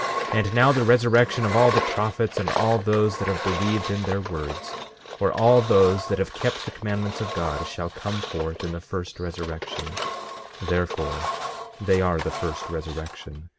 15:22 And now, the resurrection of all the prophets, and all those that have believed in their words, or all those that have kept the commandments of God, shall come forth in the first resurrection; therefore, they are the first resurrection.